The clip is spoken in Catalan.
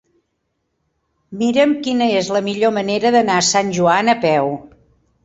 Mira'm quina és la millor manera d'anar a Sant Joan a peu.